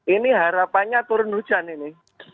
ini harapannya turun hujan ini